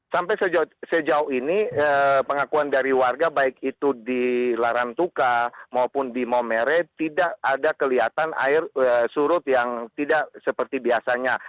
sampai sejauh ini pengakuan dari warga baik itu di larantuka maupun di momere tidak ada kelihatan air surut yang tidak seperti biasanya